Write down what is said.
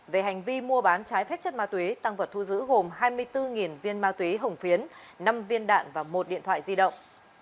về hành vi mua bán trái phép chất ma túy tăng vật thu giữ gồm hai mươi bốn viên ma túy hồng phiến năm viên đạn và một điện thoại di động